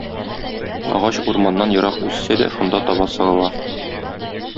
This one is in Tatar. Агач урманнан ерак үссә дә, шунда таба сыгыла.